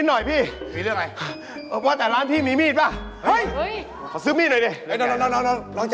เฮ้ยหิวเกิดอะไรขึ้นแล้วเล็ง